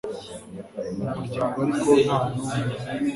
mu muryango ariko nta n'umwe